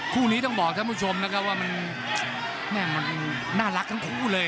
คู่นี้ต้องบอกท่านผู้ชมนะครับว่ามันแม่มันน่ารักทั้งคู่เลย